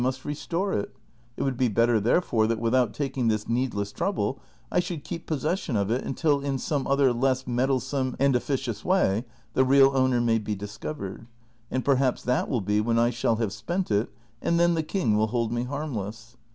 st restore it ; it would be better, therefore, that without taking this needless trouble, I should keep possession of it until in some other less meddle some and officious way the real owner may be discovered ; and perhaps that will be when I shall have spent it, and then the king will hold me harmless."